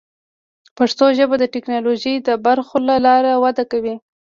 پښتو ژبه د ټکنالوژۍ د برخو له لارې وده کوي.